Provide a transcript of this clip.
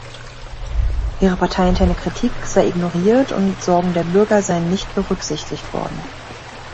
Ihre parteiinterne Kritik sei ignoriert und Sorgen der Bürger seien nicht berücksichtigt worden.